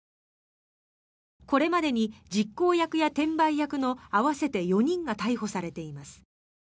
これまでに実行役や転売役の合わせて４人が逮捕されています。